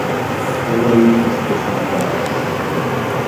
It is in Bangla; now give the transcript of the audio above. তবু ইনিংস ঘোষণা করা হয়নি।